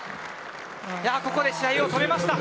ここで試合を止めました。